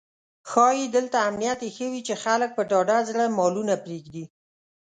ښایي دلته امنیت یې ښه وي چې خلک په ډاډه زړه مالونه پرېږدي.